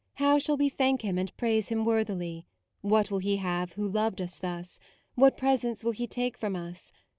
how shall we Thank Him and praise Him worthily ? What will He have Who loved us thus? What presents will He take from us